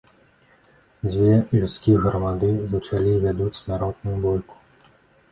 Дзве людскіх грамады зачалі і вядуць смяротную бойку.